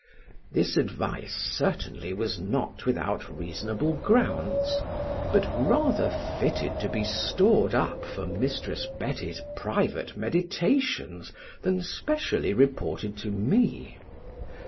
This advice certainly was not without reasonable grounds, but rather fitted to be stored up for Mrs. Betty's private meditations than specially reported to me.